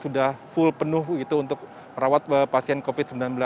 sudah full penuh untuk merawat pasien covid sembilan belas